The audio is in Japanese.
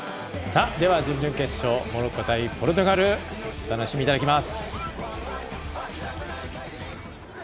では、準々決勝モロッコ対ポルトガルお楽しみいただきます。